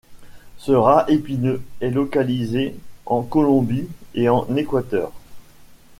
Ce rat épineux est localisé en Colombie et en Équateur.